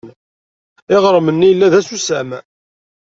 Iɣrem-nni yella d asusam.